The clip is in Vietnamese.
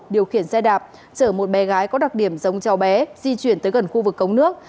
điều khiển xe đạp chở một bé gái có đặc điểm giống cháu bé di chuyển tới gần khu vực cống nước